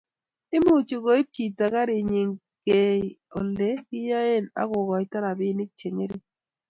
Imuchi koib chito garinyi kei Ole kiyoe akokoito robinik che ngering